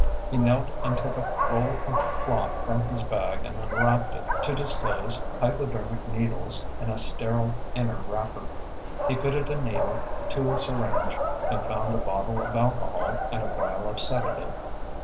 He knelt and took a roll of cloth from his bag and unwrapped it to disclose hypodermic needles in a sterile inner wrapper. He fitted a needle to a syringe and found a bottle of alcohol and a vial of sedative.